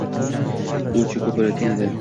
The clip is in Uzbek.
U cho‘kib borayotgan edi.